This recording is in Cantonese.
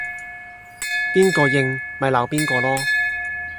邊個應咪鬧邊個囉